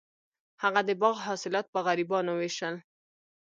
هغه د باغ حاصلات په غریبانو ویشل.